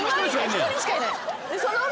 １人しかいない。